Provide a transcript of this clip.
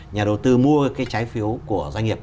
nhà đầu tư mua cái trái phiếu của doanh nghiệp